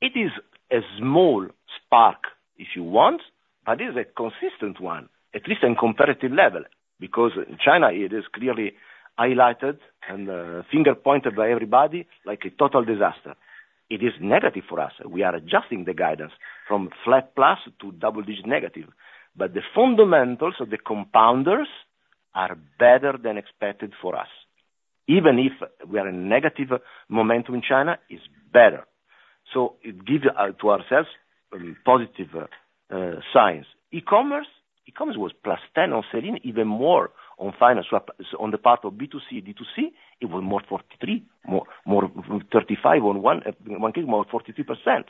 It is a small spark, if you want, but it's a consistent one, at least in comparative level, because China, it is clearly highlighted and finger pointed by everybody like a total disaster. It is negative for us. We are adjusting the guidance from flat plus to double-digit negative, but the fundamentals of the compounders are better than expected for us. Even if we are in negative momentum in China, it's better. So it gives to ourselves a positive signs. E-commerce, e-commerce was plus 10 on sell-in, even more on sell-out, on the part of B2C, D2C, it was more 43, more 35 on online, more 43%.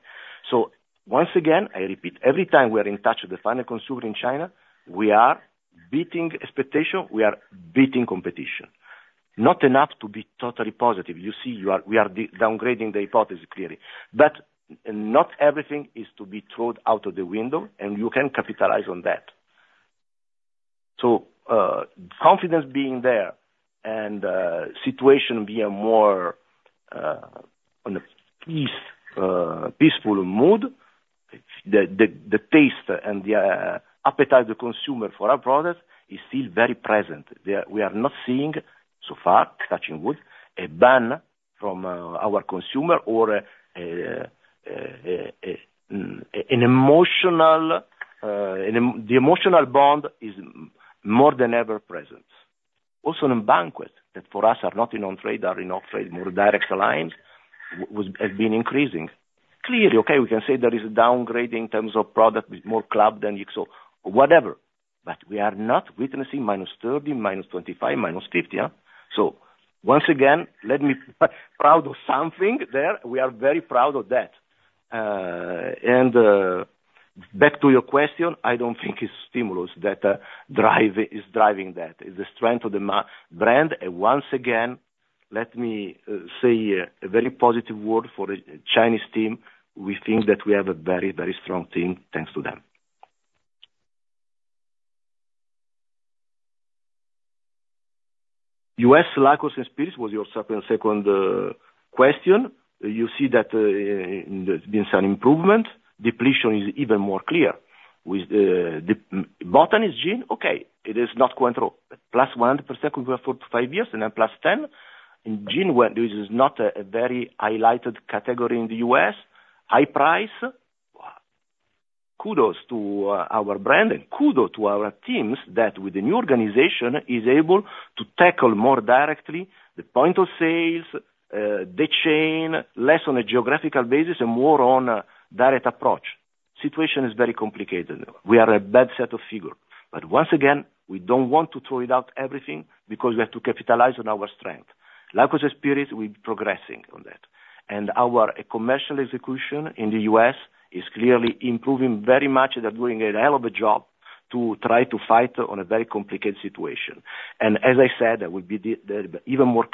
So once again, I repeat, every time we are in touch with the final consumer in China, we are beating expectation, we are beating competition. Not enough to be totally positive. You see, we are downgrading the hypothesis clearly, but not everything is to be thrown out of the window, and you can capitalize on that. Confidence being there and situation being more on a peaceful mood, the taste and the appetite of the consumer for our products is still very present. We are not seeing, so far, touching wood, a ban from our consumer or the emotional bond is more than ever present. Also in banquet, that for us are not in on trade, are in off trade, more direct lines have been increasing. Clearly, okay, we can say there is a downgrade in terms of product with more Club than XO, whatever, but we are not witnessing minus 30%, minus 25%, minus 50%, yeah? So once again, let me be proud of something there, we are very proud of that. And back to your question, I don't think it's stimulus that is driving that. It's the strength of the brand, and once again, let me say a very positive word for the Chinese team. We think that we have a very, very strong team, thanks to them. U.S. Liqueurs & Spirits was your second question. You see that there's been some improvement. Depletions are even more clear with The Botanist gin, okay, it is not Cointreau. +100% over four to five years, and then +10%. In gin, where this is not a very highlighted category in the U.S., high price. Kudos to our brand, and kudos to our teams that with the new organization is able to tackle more directly the point of sales, the chain, less on a geographical basis and more on a direct approach. Situation is very complicated. We are a bad set of figures, but once again, we don't want to throw it out everything, because we have to capitalize on our strengths. Liqueurs & Spirits, we're progressing on that, and our commercial execution in the U.S. is clearly improving very much. They're doing a hell of a job to try to fight on a very complicated situation. As I said, that would be even more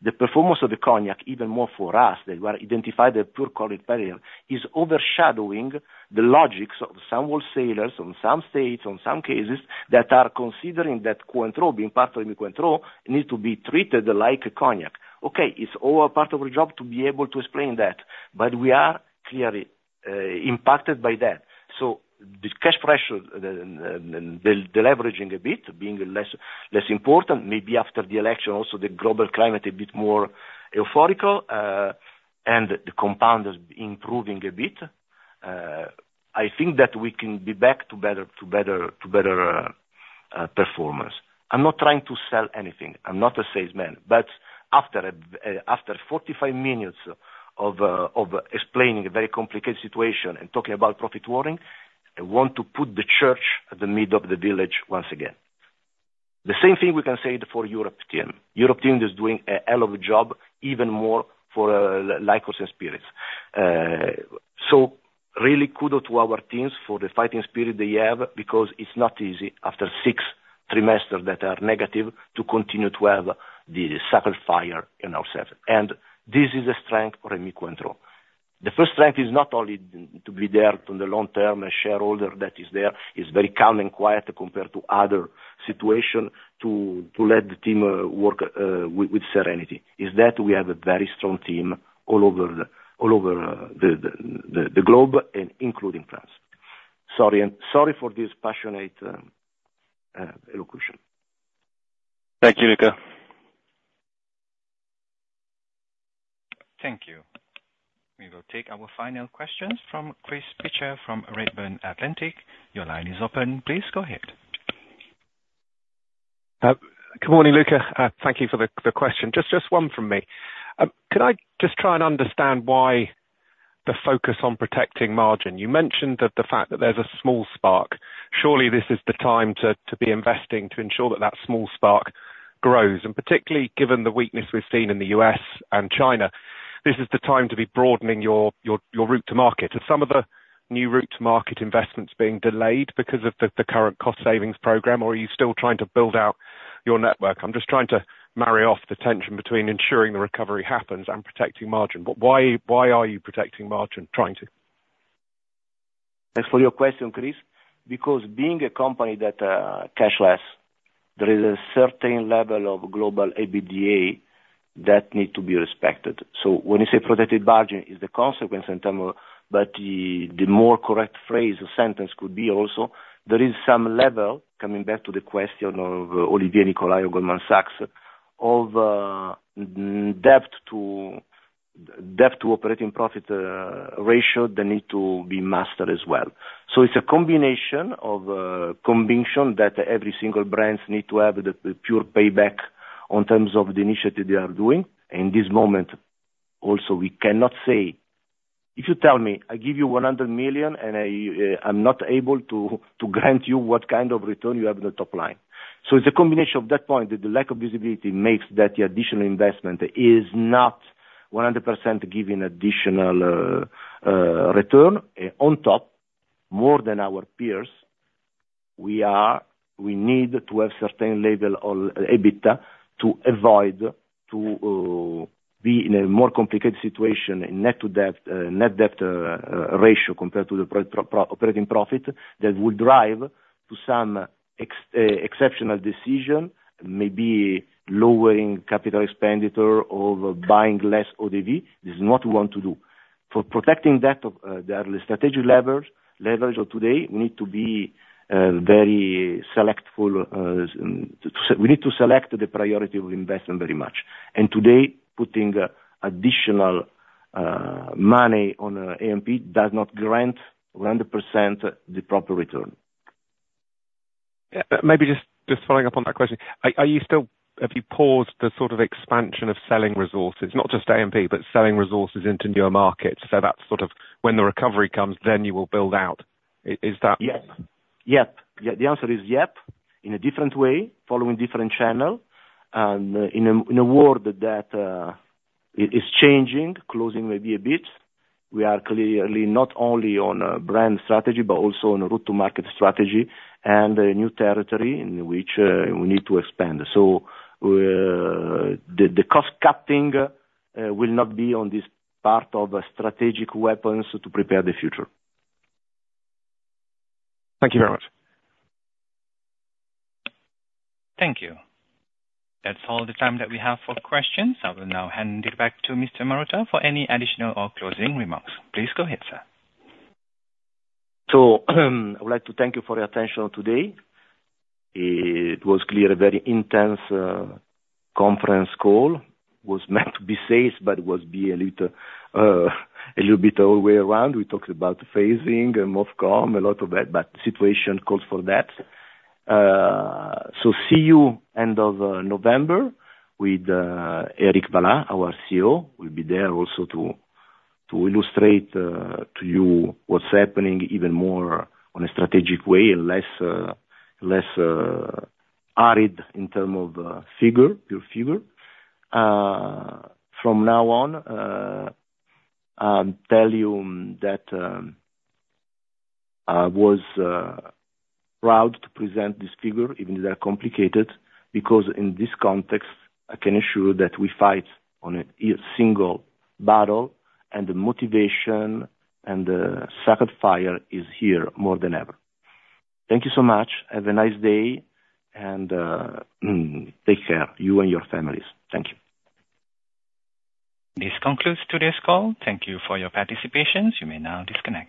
clear, the performance of the Cognac, even more for us, that were identified the pure Cognac period, is overshadowing the logics of some wholesalers on some states, on some cases, that are considering that Cointreau, being part of the Cointreau, needs to be treated like a Cognac. Okay, it's all a part of our job to be able to explain that, but we are clearly impacted by that. So the cash pressure, the leveraging a bit, being less important, maybe after the election, also, the global climate a bit more euphoric, and the comps are improving a bit. I think that we can be back to better performance. I'm not trying to sell anything. I'm not a salesman, but after 45 minutes of explaining a very complicated situation and talking about profit warning, I want to put the church in the middle of the village once again. The same thing we can say for Europe team. Europe team is doing a hell of a job, even more for Liqueurs & Spirits. Really kudos to our teams for the fighting spirit they have, because it's not easy after six quarters that are negative, to continue to have the same fire in ourselves. This is a strength for Rémy Cointreau. The first strength is not only to be there on the long term, a shareholder that is there, is very calm and quiet compared to other situation, to let the team work with serenity, is that we have a very strong team all over the globe and including France. Sorry for this passionate elocution. Thank you, Luca. Thank you. We will take our final questions from Chris Pitcher, from Redburn Atlantic. Your line is open. Please go ahead. Good morning, Luca. Thank you for the question. Just one from me. Could I just try and understand why the focus on protecting margin? You mentioned that the fact that there's a small spark. Surely this is the time to be investing to ensure that that small spark grows, and particularly given the weakness we've seen in the U.S. and China, this is the time to be broadening your route to market. Are some of the new route to market investments being delayed because of the current cost savings program, or are you still trying to build out your network? I'm just trying to marry off the tension between ensuring the recovery happens and protecting margin. But why are you protecting margin? Trying to? Thanks for your question, Chris. Because being a company that, cashless, there is a certain level of global EBITDA that need to be respected. So when you say protected margin is the consequence in terms of... But the, the more correct phrase or sentence could be also, there is some level, coming back to the question of Olivier Nicolai of Goldman Sachs, of, debt to, debt to operating profit, ratio, that need to be mastered as well. So it's a combination of, conviction that every single brands need to have the, the pure payback on terms of the initiative they are doing. In this moment, also, we cannot say... If you tell me, "I give you one hundred million, and I, I'm not able to grant you what kind of return you have in the top line." So it's a combination of that point, that the lack of visibility makes that additional investment is not one hundred percent giving additional return. On top, more than our peers, we need to have certain level of EBITDA, to avoid to be in a more complicated situation, net debt ratio compared to the operating profit, that will drive to some exceptional decision, maybe lowering capital expenditure or buying less eaux-de-vie. This is not what we want to do. For protecting that, the early strategic leverage of today, we need to be very selective. We need to select the priority of investment very much. And today, putting additional money on A&P does not grant 100% the proper return. Yeah, maybe just following up on that question, are you still—have you paused the sort of expansion of sales resources? Not just A&P, but sales resources into newer markets, so that's sort of when the recovery comes, then you will build out. Is that- Yep. Yep. Yeah, the answer is yep, in a different way, following different channel, and in a world that is changing, closing maybe a bit. We are clearly not only on a brand strategy, but also on a route to market strategy, and a new territory in which we need to expand. So, the cost cutting will not be on this part of strategic weapons to prepare the future. Thank you very much. Thank you. That's all the time that we have for questions. I will now hand it back to Mr. Marotta for any additional or closing remarks. Please go ahead, sir. So, I would like to thank you for your attention today. It was clearly a very intense conference call. It was meant to be safe, but it was a little bit all the way around. We talked about phasing and comps, a lot of that, but situation calls for that. So see you end of November with Éric Vallat, our CEO, will be there also to illustrate to you what's happening even more on a strategic way, and less added in term of figure, pure figure. From now on, tell you that I was proud to present this figure, even they are complicated, because in this context, I can assure you that we fight on a single battle, and the motivation and the sacrifice is here more than ever. Thank you so much. Have a nice day and, take care, you and your families. Thank you. This concludes today's call. Thank you for your participation. You may now disconnect.